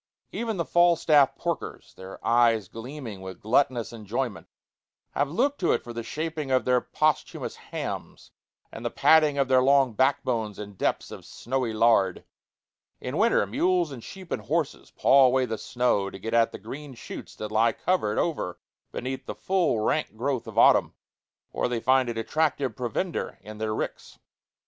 Even the Falstaff porkers, their eyes gleaming with gluttonous enjoyment, have looked to it for the shaping of their posthumous hams and the padding of their long backbones in depths of snowy lard. In winter mules and sheep and horses paw away the snow to get at the green shoots that lie covered over beneath the full, rank growth of autumn, or they find it attractive provender in their ricks.